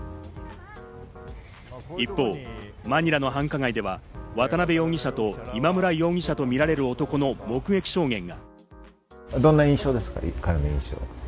一方、マニラの繁華街では渡辺容疑者と今村容疑者とみられる男の目撃証言が。